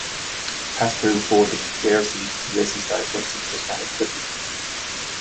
Pass-through folding rear seats and racing style front seats were standard equipment.